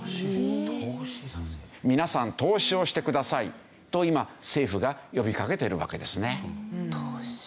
皆さん投資をしてくださいと今政府が呼びかけてるわけですね。